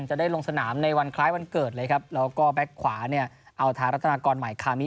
จะได้ลงสนามในวันใคร้วันเกิดเลยนะครับ